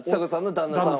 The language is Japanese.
旦那さんは。